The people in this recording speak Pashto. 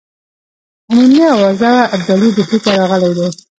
عمومي آوازه وه ابدالي ډهلي ته راغلی دی.